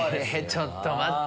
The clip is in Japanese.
ちょっと待って。